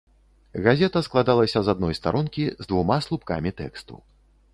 Газета складалася з адной старонкі з двума слупкамі тэксту.